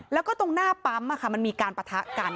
แล้วก็ตรงหน้าปั๊มมันมีการปะทะกัน